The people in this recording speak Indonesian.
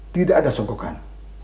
tidak ada sokokan